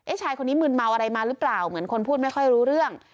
ชายคนนี้มืนเมาอะไรมาหรือเปล่าเหมือนคนพูดไม่ค่อยรู้เรื่อง